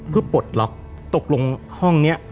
ปลดล็อกตกลงห้องเนี้ย